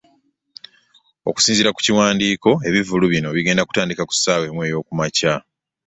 Okusinziira ku kiwandiiko ebivvulu bino bigenda kutandika ku ssaawa emu ey'oku makya